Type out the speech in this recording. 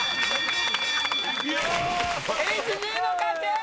ＨＧの勝ち！